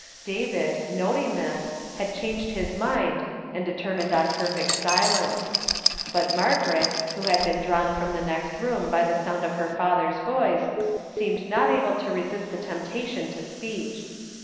David, noting this, had changed his mind, and determined on perfect silence ; but Margaret, who had been drawn from the next room by the sound of her father's voice, seemed not able to resist the temptation to s})eech.